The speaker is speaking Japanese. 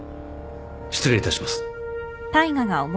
失礼いたします。